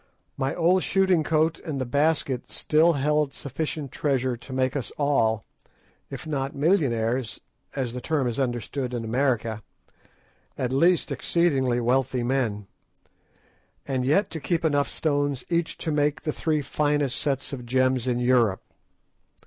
My old shooting coat and the basket still held sufficient treasure to make us all, if not millionaires as the term is understood in America, at least exceedingly wealthy men, and yet to keep enough stones each to make the three finest sets of gems in Europe.